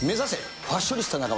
ファッショニスタ中丸。